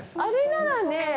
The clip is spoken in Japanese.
あれならね。